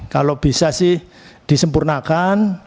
kalau bisa sih disempurnakan